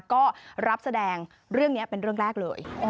ก็รับแสดงเรื่องนี้เป็นเรื่องแรกเลย